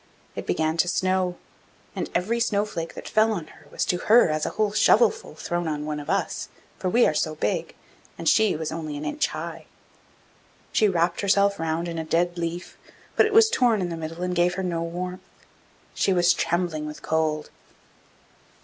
It began to snow, and every snow flake that fell on her was to her as a whole shovelful thrown on one of us, for we are so big, and she was only an inch high. She wrapt herself round in a dead leaf, but it was torn in the middle and gave her no warmth; she was trembling with cold.